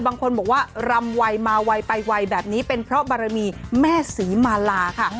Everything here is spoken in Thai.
บางคนบอกว่ารำไวมาไวไปไวแบบนี้เป็นเพราะบารมีแม่ศรีมาลาค่ะ